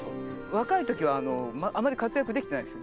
若い時はあまり活躍できてないんです。